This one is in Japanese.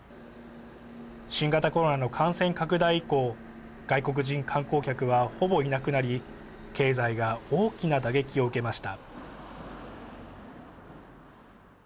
新型コロナの感染拡大以降外国人観光客は、ほぼいなくなり経済が大きな打撃を受けました。